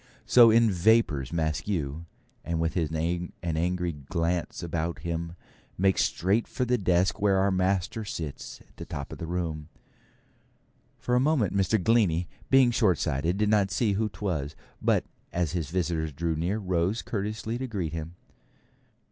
So in vapours Maskew, and with an angry glance about him makes straight for the desk where our master sits at the top of the room. For a moment Mr. Glennie, being shortsighted, did not see who 'twas; but as his visitor drew near, rose courteously to greet him.